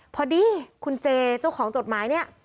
พอดีคุณเจเจ้าของจดหมายเนี่ย